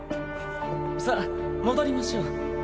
さあ戻りましょう。